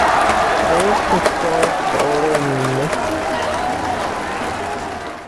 His Historisch oder mythisch?